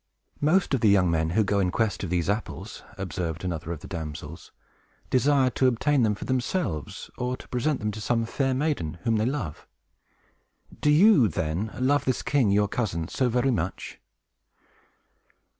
"Most of the young men who go in quest of these apples," observed another of the damsels, "desire to obtain them for themselves, or to present them to some fair maiden whom they love. Do you, then, love this king, your cousin, so very much?"